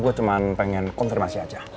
gue cuma pengen konfirmasi aja